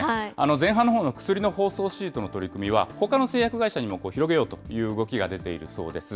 前半のほうの薬の包装シートの取り組みは、ほかの製薬会社にも広げようという動きが出ているそうです。